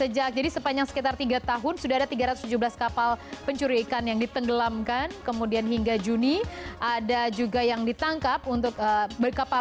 jika peninggalan kapal pencuri ikan menjadi enam lima miliar dolar amerika